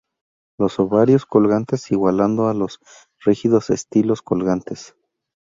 Los ovarios colgantes igualando a los rígidos estilos colgantes.